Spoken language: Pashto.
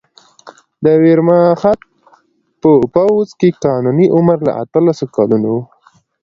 د ویرماخت په پوځ کې قانوني عمر له اتلسو کلونو و